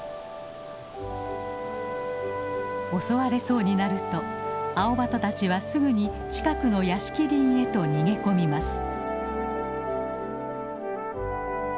襲われそうになるとアオバトたちはすぐに近くの屋敷林へと逃げ込みます。